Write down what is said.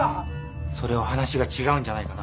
それは話が違うんじゃないかな？